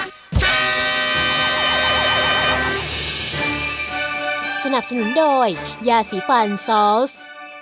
สนับสนุนโดยยาสีฟันซอส